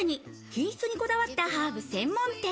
品質にこだわったハーブ専門店。